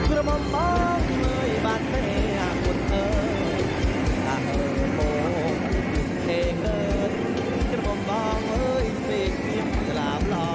สวัสดีค่ะ